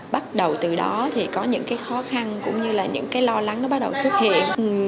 bắt đầu từ đó thì có những cái khó khăn cũng như là những cái lo lắng nó bắt đầu xuất hiện